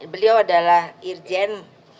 beliau adalah irjen